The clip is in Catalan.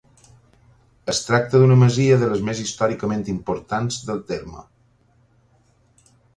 Es tracta d'una masia de les més històricament importants del terme.